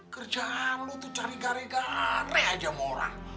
kerjaan lu tuh cari gari gari aja sama orang